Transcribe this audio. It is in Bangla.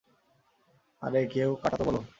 আরে কেউ কাটা তো বলো?